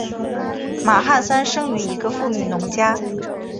马汉三生于一个富裕农家。